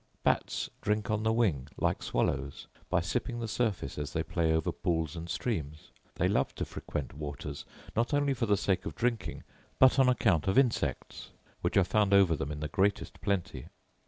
Bats drink on the wing, like swallows, by sipping the surface, as they play over pools and streams. They love to frequent waters, not only for the sake of drinking, but on account of insects, which are found over them in the greatest plenty.